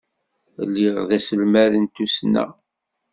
Lliɣ d aselmad n tussna.